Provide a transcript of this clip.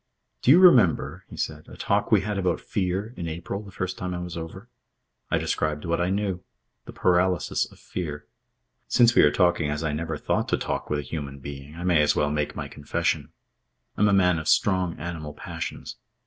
"Do you remember," he said, "a talk we had about fear, in April, the first time I was over? I described what I knew. The paralysis of fear. Since we are talking as I never thought to talk with a human being, I may as well make my confession. I'm a man of strong animal passions.